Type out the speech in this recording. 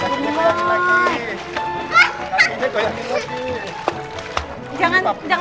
aku cuma pengen cepet sampe rumah aja sayang